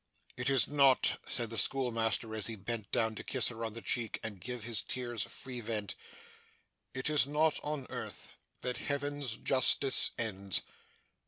'It is not,' said the schoolmaster, as he bent down to kiss her on the cheek, and gave his tears free vent, 'it is not on earth that Heaven's justice ends.